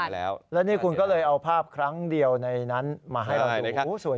แล้วนี่คุณก็เลยเอาภาพครั้งเดียวในนั้นมาให้เราดู